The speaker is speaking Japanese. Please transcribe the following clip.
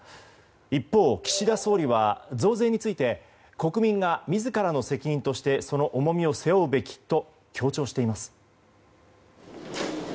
一方、岸田総理は増税について国民が自らの責任としてその重みを背負うべきと強調しています。